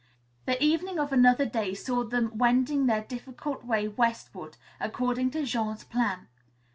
The evening of another day saw them wending their difficult way westward, according to Jean's plan.